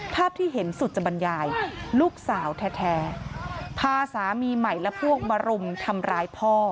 ภาพที่เห็นสุจบรรยายลูกสาวแท้พาสามีใหม่และพวกมารุมทำร้ายพ่อ